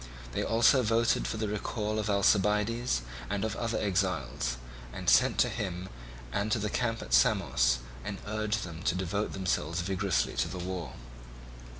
They also voted for the recall of Alcibiades and of other exiles, and sent to him and to the camp at Samos, and urged them to devote themselves vigorously to the war.